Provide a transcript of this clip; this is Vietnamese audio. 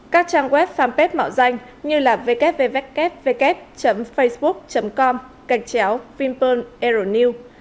các trang web fanpage mạo danh như là www facebook com cạnh chéo vinpearl aeronews